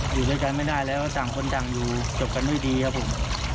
อยู่ด้วยกันไม่ได้แล้วต่างคนต่างอยู่จบกันด้วยดีครับผม